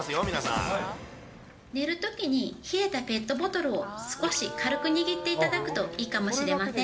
寝るときに、冷えたペットボトルを少し軽く握っていただくといいかもしれません。